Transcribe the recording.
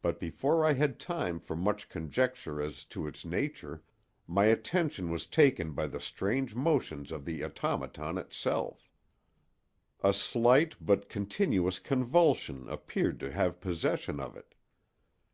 But before I had time for much conjecture as to its nature my attention was taken by the strange motions of the automaton itself. A slight but continuous convulsion appeared to have possession of it.